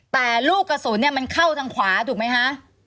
แต่ลูกกระสุนเนี่ยมันเข้าทางขวาถูกไหมคะ